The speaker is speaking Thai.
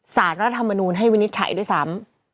ศาลรัฐมนูลให้วินิจฉัยด้วยซ้ำ